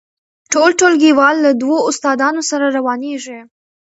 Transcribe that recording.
ټول ټولګیوال له دوو استادانو سره روانیږي.